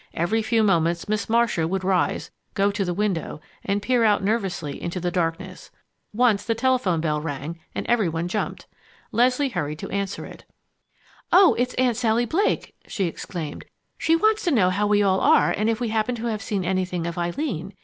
Every few moments Miss Marcia would rise, go to the window, and peer out nervously into the darkness. Once the telephone bell rang and every one jumped. Leslie hurried to answer it. "Oh, it's Aunt Sally Blake!" she exclaimed. "She wants to know how we all are and if we happen to have seen anything of Eileen.